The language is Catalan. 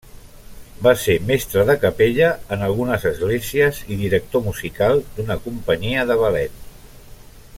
Va ser mestre de capella en algunes esglésies i director musical d'una companyia de ballet.